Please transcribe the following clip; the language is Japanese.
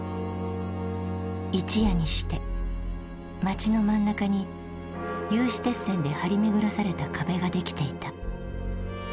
一夜にして街の真ん中に有刺鉄線で張り巡らされた壁が出来ていた。